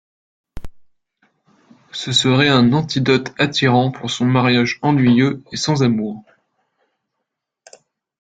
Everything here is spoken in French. Ce serait un antidote attirant pour son mariage ennuyeux et sans amour.